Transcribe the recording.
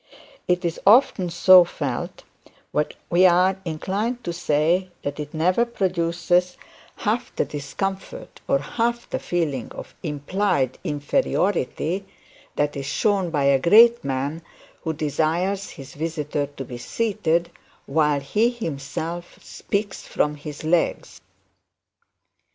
It often is so felt; but we are inclined to say that it never produces half the discomfort or half the feeling of implied inferiority that is shown by a great man who desires his visitor to be seated while he himself speaks from his legs.